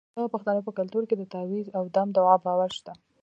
د پښتنو په کلتور کې د تعویذ او دم دعا باور شته.